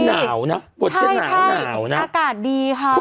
การจนบุรีหนาวนะอากาศดีค่ะ